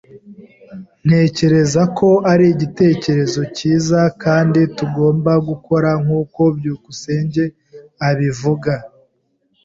Ntekereza ko ari igitekerezo cyiza kandi tugomba gukora nkuko byukusenge abivuga.